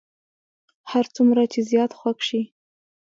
هر څومره چې زیات خوږ شي.